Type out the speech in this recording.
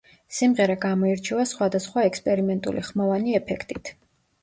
სიმღერა გამოირჩევა სხვადასხვა ექსპერიმენტული ხმოვანი ეფექტით.